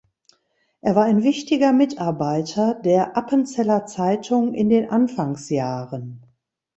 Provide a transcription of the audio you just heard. Er war ein wichtiger Mitarbeiter der "Appenzeller Zeitung" in den Anfangsjahren.